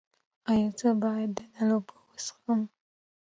ایا زه باید د نل اوبه وڅښم؟